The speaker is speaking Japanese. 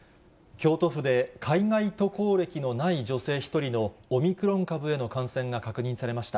京都府で、海外渡航歴のない女性１人のオミクロン株への感染が確認されました。